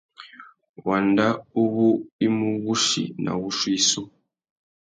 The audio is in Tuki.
Wanda uwú i mú wussi nà wuchiô issú.